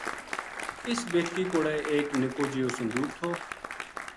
اس بیٹکی کوڑے ایک نِکو جیو صندوق تھو